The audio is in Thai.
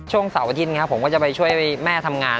เสาร์อาทิตย์ผมก็จะไปช่วยแม่ทำงาน